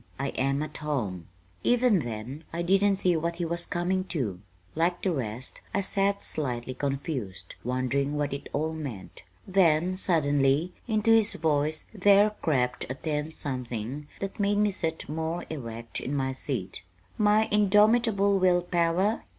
I am at home." Even then I didn't see what he was coming to. Like the rest I sat slightly confused, wondering what it all meant. Then, suddenly, into his voice there crept a tense something that made me sit more erect in my seat. "My indomitable will power?